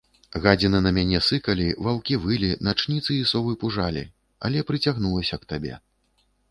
Гадзіны на мяне сыкалі, ваўкі вылі, начніцы і совы пужалі, але прыцягнулася к табе.